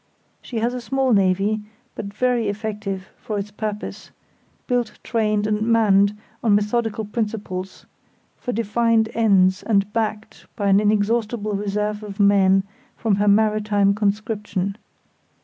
She has a small navy, but very effective for its purpose, built, trained, and manned on methodical principles, for defined ends, and backed by an inexhaustible reserve of men from her maritime conscription.